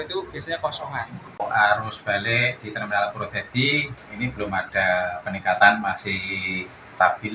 itu biasanya kosongan arus balik di terminal pura jadi ini belum ada peningkatan masih stabil